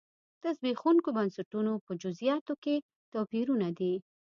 د زبېښونکو بنسټونو په جزییاتو کې توپیرونه دي.